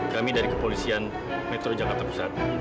kami dari kepolisian metro jakarta pusat